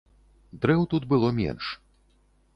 Дрэў тут было менш.